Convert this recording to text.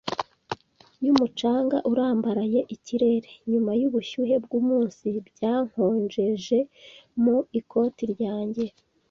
y'umucanga urambaraye; ikirere, nyuma yubushyuhe bwumunsi, byankonjeje mu ikoti ryanjye